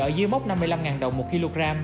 ở dưới mốc năm mươi năm đồng một kg